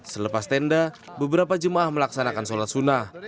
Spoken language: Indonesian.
selepas tenda beberapa jemaah melaksanakan sholat sunnah